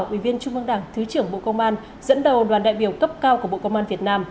ủy viên trung mương đảng thứ trưởng bộ công an dẫn đầu đoàn đại biểu cấp cao của bộ công an việt nam